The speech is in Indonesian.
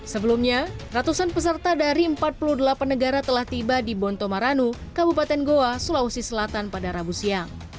sebelumnya ratusan peserta dari empat puluh delapan negara telah tiba di bontomaranu kabupaten goa sulawesi selatan pada rabu siang